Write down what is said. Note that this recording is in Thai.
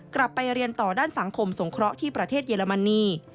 กลับไปเรียนต่อด้านสังคมสงเคราะห์ที่ประเทศเยอรมนี